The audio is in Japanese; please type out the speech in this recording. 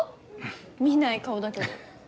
見ない顔だけど。